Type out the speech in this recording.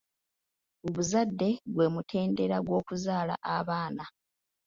Obuzadde gwe mutendera gw'okuzaala abaana.